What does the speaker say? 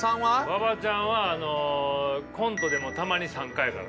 馬場ちゃんはコントでもたまに参加やからな。